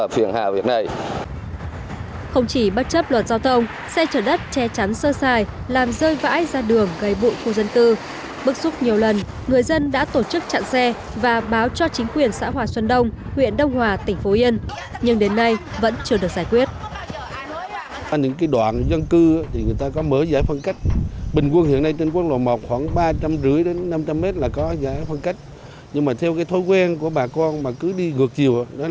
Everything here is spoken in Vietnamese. xe chạy ẩu bất chấp luật giao thông rơi vãi đất đất xuống đường khiến người dân bức xúc phản ánh của phóng viên truyền hình nhân dân bức xúc phản ánh của phóng viên truyền hình nhân dân